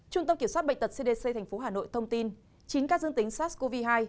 trung tâm kiểm soát bệnh tật cdc tp hà nội thông tin chín ca dương tính sars cov hai